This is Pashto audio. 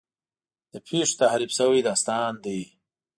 د پېښو تحریف شوی داستان دی.